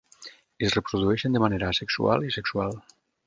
Es reprodueixen de manera asexual i sexual.